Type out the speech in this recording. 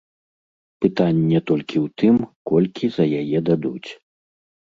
Пытанне толькі ў тым, колькі за яе дадуць.